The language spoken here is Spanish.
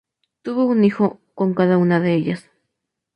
Tuvo un hijo con cada una de ellas.